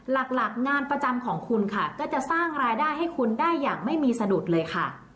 หลักงานประจำของคุณค่ะก็จะสร้างรายได้ให้คุณได้อย่างไม่มีสะดุดเลยค่ะ